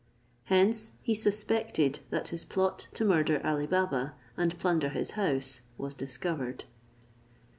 Hence he suspected that his plot to murder Ali Baba and plunder his house was discovered.